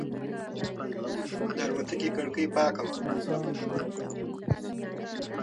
د الوتکې کړکۍ پاکه وه.